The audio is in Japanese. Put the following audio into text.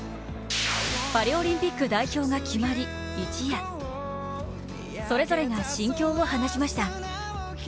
パリオリンピック代表が決まり、一夜それぞれが心境を話しました。